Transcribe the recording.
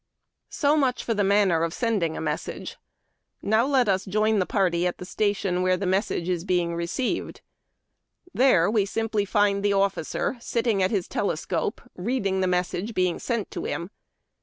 So much for the manner of sending a message. Now let us join the party at the station where tiie message is being received. There we simply find the officer sitting at his tele scope reading the message being sent to him.